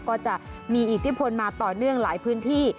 ก็จะมีอิทธิพลมาต่อเนื่องหลายพื้นที่